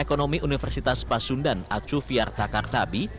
ekonomi universitas pasundan atsu fyartakartabi